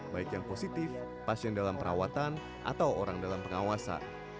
baik yang positif pasien dalam perawatan atau orang dalam pengawasan